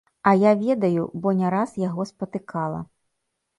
А я ведаю, бо не раз яго спатыкала.